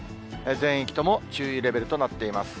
全域とも注意レベルとなっています。